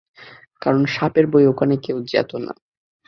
কারণ সাপের ভয়ে ওখানে কেউ যেত না।